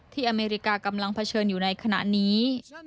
อเมริกากำลังเผชิญอยู่ในขณะนี้